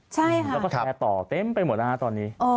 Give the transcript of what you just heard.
ใช่ค่ะใช่ค่ะแล้วก็แพร่ต่อเต็มไปหมดอ่าตอนนี้